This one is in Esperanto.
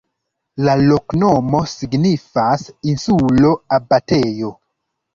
La loknomo signifas: insulo-abatejo.